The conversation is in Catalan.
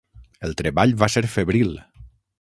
El treball va ser febril.